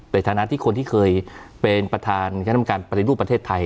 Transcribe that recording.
ในฐานะที่คนที่เคยเป็นประธานคณะกรรมการปฏิรูปประเทศไทย